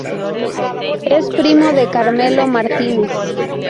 Es primo de Carmelo Martínez.